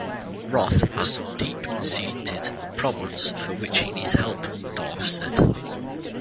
Roth has "some deep-seated problems for which he needs help," Dorff said.